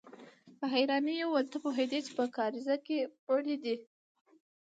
په حيرانۍ يې وويل: ته پوهېدې چې په کاريزه کې مړی دی؟